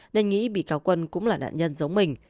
nên nghĩ bị cáo quân cũng là nạn nhân giống mình